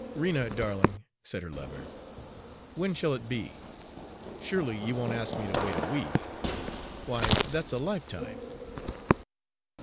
"Rena, darling," said her lover, "when shall it be? Surely you won't ask me to wait a week. Why, that's a lifetime!"